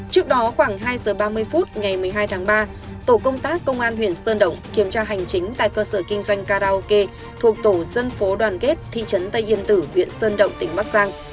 trước đó khoảng hai giờ ba mươi phút ngày một mươi hai tháng ba tổ công tác công an huyện sơn động kiểm tra hành chính tại cơ sở kinh doanh karaoke thuộc tổ dân phố đoàn kết thị trấn tây yên tử huyện sơn động tỉnh bắc giang